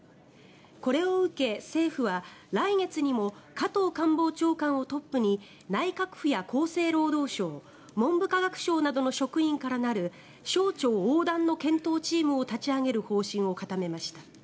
これを受け、政府は来月にも加藤官房長官をトップに内閣府や厚生労働省文部科学省などの職員からなる省庁横断の検討チームを立ち上げる方針を固めました。